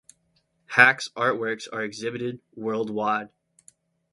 Hack's artworks are exhibited worldwide.